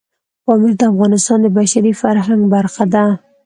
پامیر د افغانستان د بشري فرهنګ برخه ده.